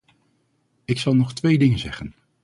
Ik zal nog twee dingen zeggen.